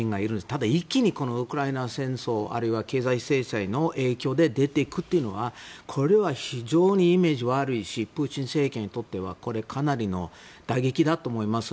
ただ、一気にウクライナ戦争あるいは経済制裁の影響で出ていくというのはこれは非常にイメージ悪いしプーチン政権にとってはかなりの打撃だと思います。